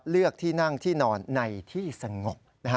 เลือกที่นั่งที่นอนในที่สงบ